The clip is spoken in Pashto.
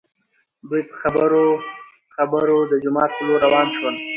دوي په خبرو خبرو د جومات په لور راوان شول.